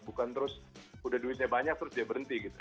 bukan terus udah duitnya banyak terus dia berhenti gitu